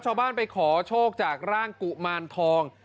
ชาวบ้านไปขอโชคจากร่างกุมารทอง